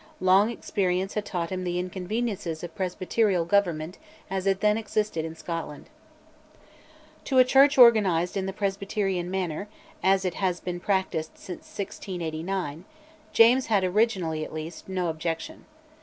Long experience had taught him the inconveniences of presbyterial government as it then existed in Scotland. To a Church organised in the presbyterian manner, as it has been practised since 1689, James had, originally at least, no objection.